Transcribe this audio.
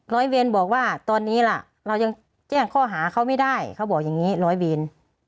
ร้อยเวรบอกว่าตอนนี้ล่ะเรายังแจ้งข้อหาเขาไม่ได้เขาบอกอย่างนี้ร้อยเวร